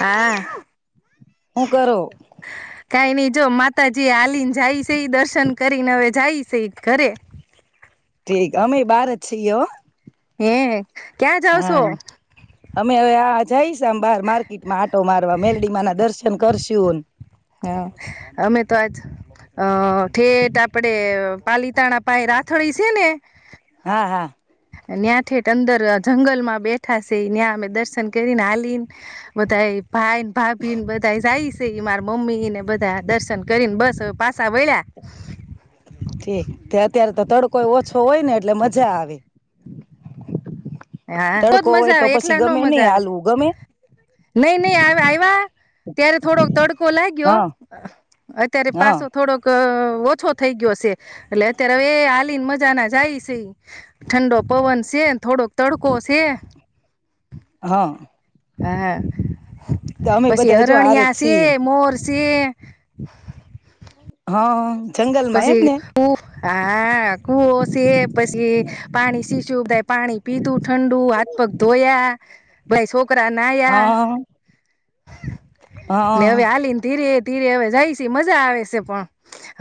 હા હું કરો કઈ નઈ જો માતાજી આલીને જાય છે એ દર્શન કરીને હવે જાય સે ઘરે. ઠીક. અમે બહાર અછી હો. એ ક્યાં જાવ છો? હા અમે હવ આ જઈશ બાર માર્કેટમાં આટો મારવા મેલડીમા ના દર્શ શન કરશું ન હા, અમે તો આજ અ થેટ આપણે પાલીતાણા પાાય રાથળી શે ને હા હા. ન્યાં ઠેટ અંદર જંગલમાં બેઠા છે ન્યાં અમે દર્શન કરીને હાલીને બધા એ ભાઈન ભાભીન બધા જાઈશ મારા મમ્મી ને બધા દર્શન કરીને બસ હવે પા ઠીક તે અત્યારે તો તડ કોઈ ઓછો હોય ને એટલે મ જા આવે. હા તો જ તડકો હોય મજા આવે તો પછી એકલા ન ગમે નઈ મજા આવે. હાલવું ગમે નઈ નઈ આવે આવ્યા ત્યારે થોડોક તડકો લાગ્યો હા અત્યારે હા પાછો થોડોક અ ઓછો થઈ ગયો શે. એટલે અત્યારે હવે એ હાલીને મજા ના જાય છે ઠંડો પવન છેને થોડોક તડકો શે. હા. હે હે. તો અમે પછી બધા જો હારે જ હરણિયા છે, છીએ મોર તે. હા. જંગલમાં એમ પછી ને હા કુઓ છે પછી પાણી શી સુું સ પાણી પી દું ઠંડુ હાથ પગ ધોયા. ભાઈ શો કરા નાયા. હા હા ને હવે હાલીન ધીરે ધીરે હવે જાય શે મજા આવે શે પણ.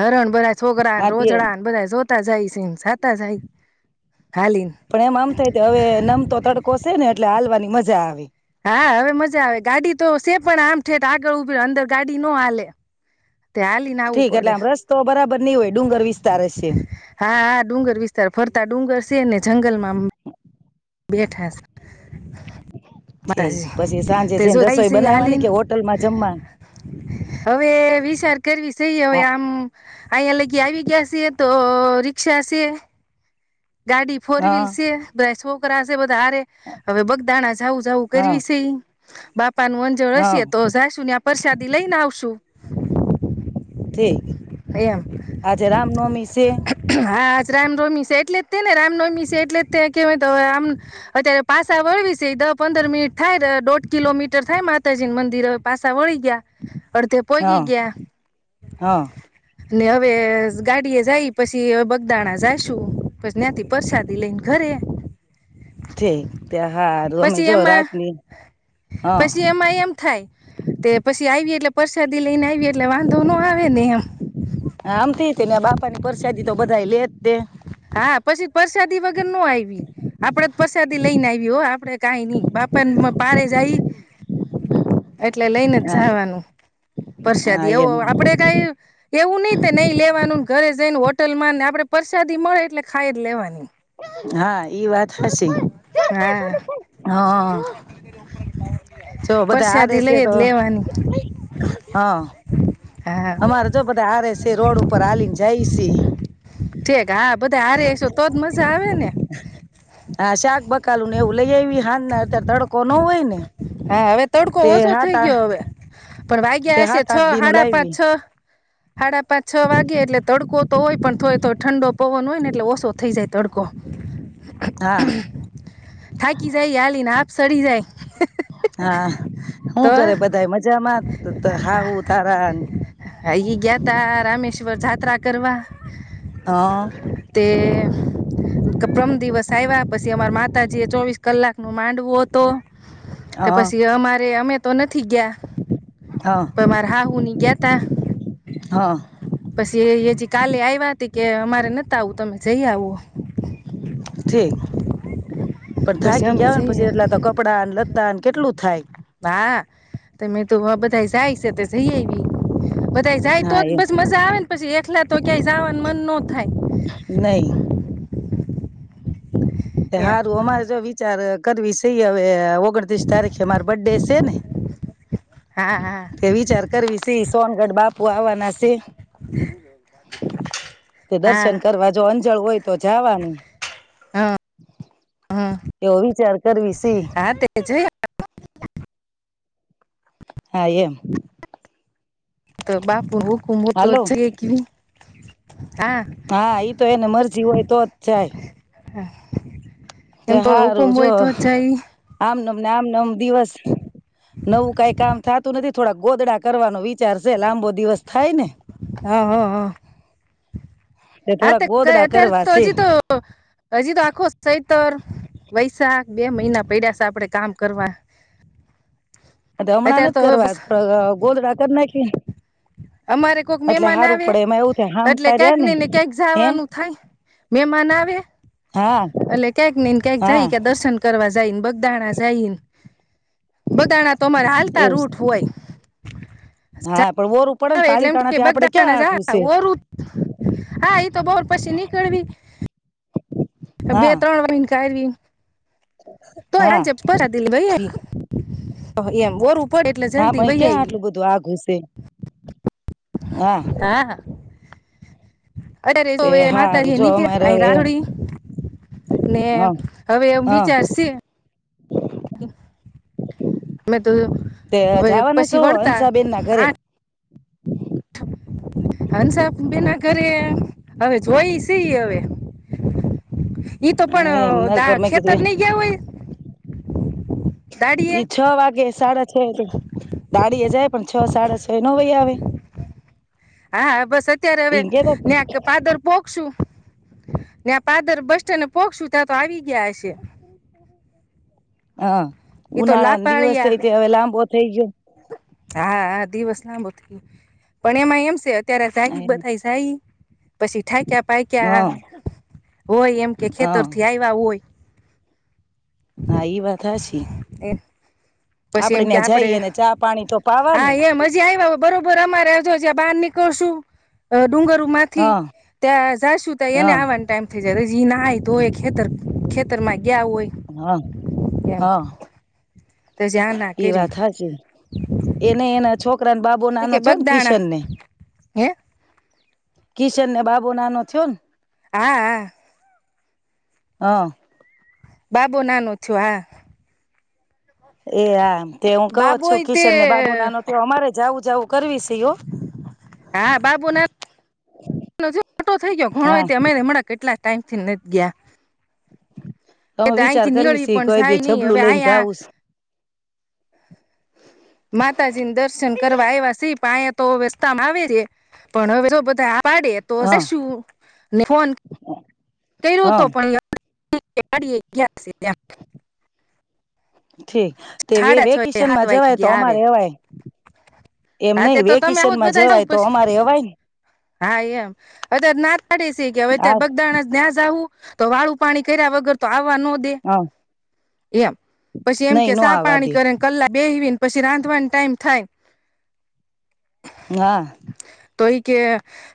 હરણ બધા છોકરા હા તે રોજડા ને બધા જો સાતા જાય છે સાતા જાય હાલીને પણ એમ આમ થાય હવે નમ તો તડકોશે ને એટલે હાલવાની મજા આવે હા હવે મજા આવે ગાડી તો સે પણ આમ ઠેઠ આગળ ઉભી અંદર ગાડી ન હાલે તે હાલીને આવવું ઠીક એટલે પડે આમ રસ્તો બરાબર નહી હોય ડુંગર વિસ્તાર હશે હા હા ડુંગર વિસ્તાર ફરતા ડુંગર છે ને જંગલમાં બેઠ હશે ઠીક પછી સાંજે માતાજી જો જઈને સ રસોઈ બનાવવાની હલીને કે હોટલમાં જમવાનું હવે વિચાર કરવી સઈ હવે હા આમ અહીયા લગી આવી ગયા છે તો રિકષા છે ગાડી ફોર વ્હીલ હા છે બ્ર શો કરાશે ારે હવે બગદાણા જવું જવું હા કરવી છે બાપ નું અંજળ હા હશે તો જઈશું ને આ પરસાદી લઈને આવશું ઠીકે એમ છે હા રામનવમી છે એટલે જ તે ને રામનવમી છે એટલે જ્યા કેવાય આમ અત્યારે પાસા વળી છે દ પંદર મિનિટ થાય દોઢ કિલોમીટર થાય માતાજીું મંદિર હવે પાસા વળી અડધપોી હા ગ હા હવે ગાડીએ જાય પછી હ બગદાણા જઈશું પછી ત્યાથી પરસાદી લઈને ઘરે ઠીક ત્યાં હારું અમે પછી જો એમાં રાતની હા પછી એમાં એમ થાય પછી આવી એટલે પરસાદી લઈને આવીએ એટલે વાંધો ન આવે નને એમ આમ થ ને બાપા ની પરસાદી તો બધા લે તે હા, પછી વરસાદી વગર ન આવી આપડે. પ્રસાદી લઈને આવ્યો હો. આપડે કાઈ નઈ. બાપા પારે જાય. એટલે લઈને જ હા જવાનું હા પ્રસાદી, એવો એમ આપડે કઈ એવું નઈ, નહી લેવાનું. ઘરે જઈ ને હોટલમાં ને આપડે પર. સાદી મળે એટલે ખાઈ જ લેવાની. હા, એ વાત હશે. હા, જો બધા હારે પ્રસાદી છે લઈ જ તો લેવાની. હા હા, અમારે જો બધા હારે છે રોડ ઉપર હાલીને જાય છે [unintelligible] ઠીક હા બધા હારીસ તો જ મજા આવે ને. કાલુ ને એવું લઈ આવી. હા, ના અત્યારે તડકો ન હોય ને. હા હવે તડકો તે ઓછો થઈ હા. ગયો હવે પણ વાગ્યા હશે છ સાડા પાંચ- છ. સાડા પાંચ- છ વાગે એટલે તડકો. તો હોય, પણ થોડો ઠંડો પવન હોય ને એટલે ઓછો થઈ જાય. તડકો. હા. થાકી જાય, હલીને હાફ ચડી જાય, હા હું તો કરે બધા મજામાં હા હું તારા અહી ગયા, તો રામેશ્વર જાત્રા કરી. વાહ. હ તે. પ્રરમ દિવસ આવ્યા પછી અમાર માત માતાજી ચોવીસ કલાક નું માંડવો હતો. તો પછી અમારે, અમે તો નાથ થી ગયા હ હ પણ, મારે હાહું ની ગયા તા. હ પછી એ હજી કાલે આઇવા કે અમારે નત આવું, તમે જઈ આવો. ઠીક, પણ પછી થાકી અમે ગયાને જઈએ પછી એટલા તો કપડા, ને લથા કેટલું થાય? બા, તમે તો વો બધા જાય છે, તો જય આવી બધા જાય હા તોજ, એ બસ મજા આવે ને પછી એકલા તો ક્યાંય જવાનું મન ન થાય. તે એમ હારું, અમારે જ જો વિચાર. કદ વિશય અવે ઓગણત્રીસ તારીખે માર બર્થડે છે ને, હા હા તે વિચાર કરવી સોનગઢ બાપુ આવવાના છે. તે દર્શન હા કરવા જો જવુ હોય તો જવાનું. એ વિચાર કરવીસે. હા તે જઈ હા એમ. તો બાપુભુ કુમભુ તો હાલો છે કવી. [inaudible] હા ઈ તો એને મરજી હોય તો જ જાય. તે એમ તો હુકુંમ હોય તો જ જ એ. નામ નામ દિવસ. નવ કઈ કામ થતું નથી. થોડા ગોદડા કરવાનો વિચાર છે લાંબો દિવસ થાય ને. હા હા હા. તે હા થોડાક ક ગોદડા અત્યારે કરવા તો છે હજી તો. હજી તો આખો સૈતર વૈશાખ બે મહિના પડ્યા છે આપડે કામ કરવા. હમણાં અત્યારે નથી તો હવે બસ કરવા ગોધડા કરી નાખી અમારે કોઈક એટલે મહેમાન હારું પડે એમાં એવું થાય હામટા રયા ને. હે ખાવાનું થાય. એ મનાવે. હા એટલે ક્યાંક ને ક્યાંક હા જાય કે દર્શન કરવા જાયને બગદાણા જાય. બગાણા તો અમારા હાલતા એવું રૂટ હોય. હા પણ ઓરું પડે ને હવે એટલે એમ પાલીતાણા કે થી આપડે ક્યાં બગદાણા આઘું જ છે ઓરું હા ઈ તો બહોર પછી નીકળવી. બે હા ત્રણ [unintelligible] સારવી. તોય હા આંજે પરા દી ભાઈ આગી. એમ ઓરુ હા પણ ક્યાં આટલું બધું આઘુ સે. હા. હા અત્યારે તો તે હવે હારું માતારી જો નીકરા અમારે આ હવે રાયડી ને હ હવે એમ હ વિચારશે. [inaudible] અમે તો તે જવાના છો પછી વળતા હંસાબેન ના ઘરે આઠ હંસા બેના ઘરે હવે જોય સી હવે. એઈ તો એ પણ એમના ઘર ત્યાં મેં ખેતર નઈ ગયા હોય? એ દાડીએ છ વાગે. [inaudible] છે દાડી એ જાય પણ છ સાડા છ નો વઈ આવે. હા, બસ અત્યારે હવે એમ કેતા ન્યાક પાદર પોખસું. જ્યાં પાદર બસ્ટેન્ડને પોખસું ત્યાં તો આવી ગયા હશે. હા. એ તો ઉનાળા દિવસે લાપાળિયા જે લાંબો થઈ ગયો. હા હા દિવસ લાંબો થઈ ગયો, પણ એમાં એમ છે. ત્યારે [unintelligible] બધાય સાઈ. પછી ઠાક્યા હ હ પાક્યા હોય એમ કે ખેતરથી આવ્યા હોય. હા એ વાત હાચી. એ પછી એમ આપડે કે ત્યાં આપણે જઈએને ચા પા હા, એ મજા આવ બરોબર અમારે જો જ્યાં બહાર નીકળશું અ ડુંગરુ હ માંથી ત્યાં જાશું ત હ હ એને આવવાનું ટાઈમ ત્યારે જી નાએ ધોઈ ખેતર ખેતર મા ક્યાં હોય એેમ. એ વાત હાચી એને એના છોકરાને બાપ બો તે નાનો કે છે બગદાણા કિસન ને. હે? કિશનને બાબુ નાનો થીઓ ન. હા હા. હ. બાબો નાનો થયો હા. એ આ. તે હું કહો બાબો છું તે કિશન ને બાબુ નાનો થિયો અમારે જાવું જાવું કરવી સે હો. હા, બાબો ના નાનો થિયો મોટો થઈ ગયો હા ઘણોય અમે કેટલાય. ટાઈમથી નથ ગિયા. અમે વિચાર કરવી સ પણ કઈ જાય દી નહી ઝબલું હવે લઈને અહીંયા જાવુંસ. [inaudible] માતાજીને દર્શન કરવા આવ્યા સ પણયા તો રસ્તામાં આવે છે, પણ હવે તો બધા પાડે તો હા શું, ને ફોન કર્યો હા તો પણ ડી [unintelligible] ઠી, સાડા છ સાત વેકેશનમાં વાગે જવાય તો ગયા અમારે આવે એવાય, એમ હા નહ તે તો તમે આવો વેકેશનમાં બધા જવું જવાય તો પછી અમારે અવાય. હા એમ, અ ના સ ગવાવેત્યારે હા બગદાણ જ્યાઝાહું. તો વાળું પાણી કર્યા વગર તો વાનું નો દે. હા એમ, પછી એમ કે નઈ નો સાપ. આવા પાણી દે કરેને કલા બેવીને. પછી રાંધવાન ટાઈમ થાય. હા. તોય કે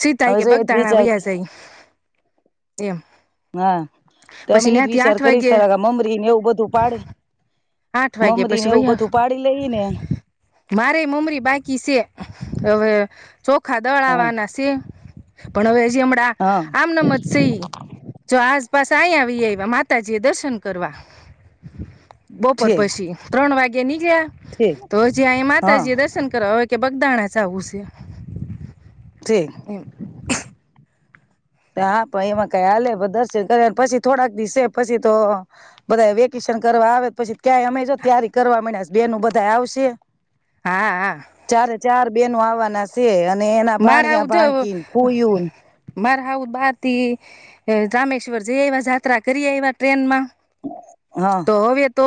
સીધા હવે કે જો એજ બગદાણા વિચાર વૈ આ જાય. એમ. હા, તો અમે પછી એજ ત્યાંથી વિચાર આઠ કરીશ ત વાગે કે મમરીને એવું બધું પાડે. આઠ વાગે મમરી ને પછી એવું વૈયા બધું પાડી લઈ ને. મારે મમરી બાકી છે, હવે ચો ખાદળ હા આવવાના છે. પણ હવે હમણાં, હા આમ આમ‌ સે‌ ઈ, જો આજ બસ આહીયા આવી આવ્યા માતાજી એ દર્શન કરવા. બપોર ઠીક પછી, ત્રણ વાગે નીકળ્યા, ઠીક તો હજી અહી હા માતાજી એ દર્શન કરવા હવે કે બગદાણા ય જાવુંસ. ઠીક એમ. હા પણ એમાં કઈ આલે દર્શન કર પછી થોડાક દિવસે પછી તો, બધા વેકેશન કરવા આવે પછી ક્યાંય અમે ત્યારે કરવા મ્યા બેન બધા આવશે. હા હ. બેન આવવાના છે. અને એના મારે ભાણિયા આવું તો, ભાણકી ફૂયું મારે સાસુ બાર તે, રામેશ્વર જઈ આવ્યા જાયાત્રા કરીએ આવ્યા ટ્રેનમાં. હા તો હવે તો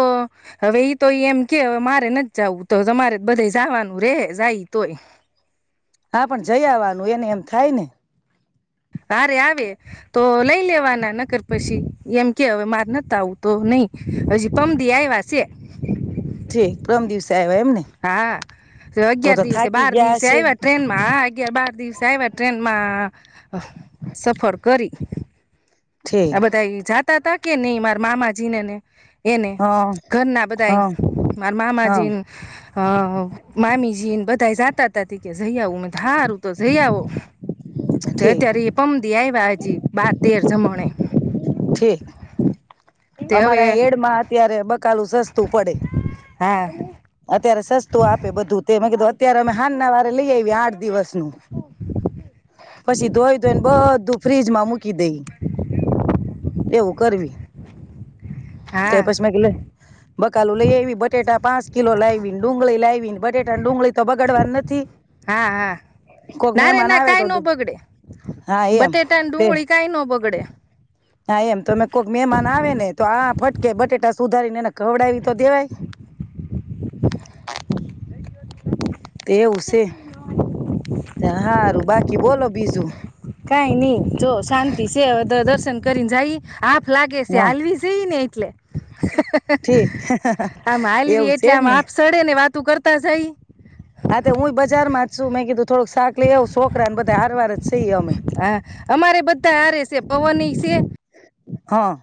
હવે ઈ તોય એમ કે મારે નથી જાવું તો તમારે બધે જવાનું રે જાય તોય. હા પણ જઈ આવવાનું એને એમ થાય ને. હારે આવે, તો લઈ લેવાના નકર, પછી એમ કેવે માર નતા આવું તો નહી હજી પમદી આવ્યા છે. ઠીક પ્રમ દિવસે આવ્યા એમને હા, તો અગિયાર તો દિવસે થાકી બાર ગયા દિવસે હશે આવ્યા ટ્રેન માં અગિયાર બાર દિવસે સાવા ટ્રેનમાં, સફર કરી. હ ઠીક બધ જાત ત ત કે નહીં મા મા માજીને ને. એને, હા ઘરના બધાય હા મારા હા મામાજીને અ મામીજીને બધા જાતા. તાથી. જઈ આવું મેં ધારું તો જઈ આવો. તો ઠીક ત્યારે એ પણમ દી આયવા. જી બા તેર જમણે. હ. [inaudible] ઠીક. હવે અમારે એડમાં અત્યારે. કાલું સસ્તું પડે. હા અત્યારે સસ્તું આપે બધું તે મેં કીધું અત્યારે અમે હાનના વારે લઈ આવીએ આઠ દિવસનું, પછી ધોઈ ધોઈને બધું ફ્રીજમાં મૂકી દઈ. એવું કરવી. તે હા પછી મે કલે બકાલું લઈ એવી બટેટા પાંચ કિલો લાવીને ડુંગળી લાવી ને બટેટાને ડુંગળી તો બગડવાની નથી. હા હા, કોઈક ના રે મહેમાન ના આવે કઈ નો તો બગડે, હા એમ બટેટા ને તે ડુંગળી કઈ નો બગડે. હા એમ તોમે કોઈક મહેમાન આવે ને તો આ ફટકે બટેટા સુધારીને એને ખવડાવી તો દેવાય. તે ઉ ત, હારું બાકી કી લભી બીજું. કાંઈ શ કરીન જાઈ, આપ લાગે છે હા આલ્વીઝઈને એટલે. ઠીક આમ આલવી એવું છે એટલે એમ આમ ને આપ સડે ને વાત તું કરતા જાય. હા તો હું બજારમાં જ છું મેં કીધું થોડુંક શાક લઈ આવું છોકરા ને બધા હારવાર જ છીએ અમે હા અમારે બધા હરે છે પવન છે. હા.